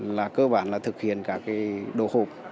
là cơ bản là thực hiện cả cái đồ hộp